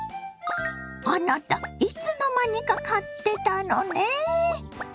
あなたいつの間にか買ってたのね。